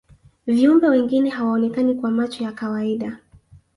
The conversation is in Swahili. viumbe wengine hawaonekani kwa macho ya kawaida